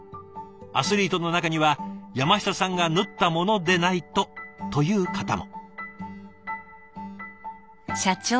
アスリートの中には「山下さんが縫ったものでないと」という方も。